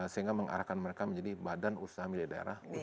sehingga mengarahkan mereka menjadi badan usaha milik daerah